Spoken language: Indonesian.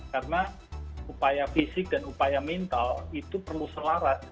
karena upaya fisik dan upaya mental itu perlu selarat